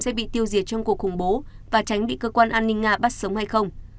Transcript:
sẽ bị tiêu diệt trong cuộc khủng bố và tránh bị cơ quan an ninh nga bắt sống hay không